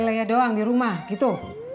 biar bisa lele doang di rumah gitu